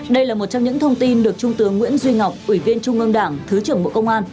đây là một trong những thông tin được trung tướng nguyễn duy ngọc ủy viên trung ương đảng thứ trưởng bộ công an